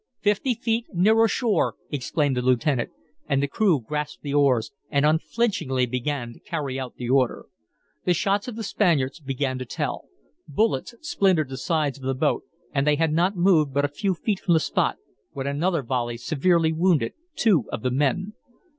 "Fifty feet nearer shore!" exclaimed the lieutenant, and the crew grasped the oars and unflinchingly began to carry out the order. The shots of the Spaniards began to tell. Bullets splintered the sides of the boat, and they had not moved but a few feet from the spot when another volley severely wounded two of the men.